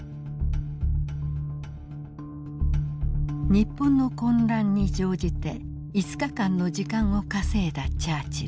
日本の混乱に乗じて５日間の時間を稼いだチャーチル。